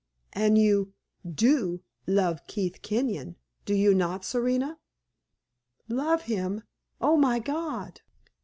And you do love Keith Kenyon, do you not, Serena?" "Love him! Oh, my God!"